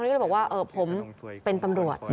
ก็เลยบอกว่าผมเป็นตำรวจ